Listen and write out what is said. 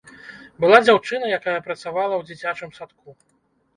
Была дзяўчына, якая працавала ў дзіцячым садку.